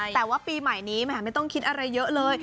แต่ว่าปีใหม่นี้แหมไม่ต้องคิดอะไรเยอะเลย